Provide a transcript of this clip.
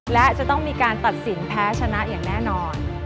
และจะต้องมีการตัดสินแพ้ชนะอย่างแน่นอน